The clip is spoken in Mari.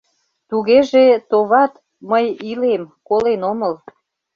Тугеже, товат, мый илем, колен омыл